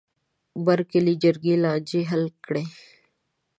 بر کلي جرګې لانجې حل کړې.